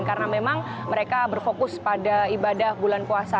karena memang mereka berfokus pada ibadah bulan puasa